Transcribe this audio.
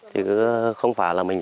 thì không phải là mình